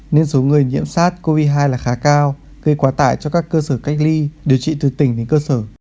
nên số người nhiễm sars cov hai là khá cao gây quá tải cho các cơ sở cách ly điều trị từ tỉnh đến cơ sở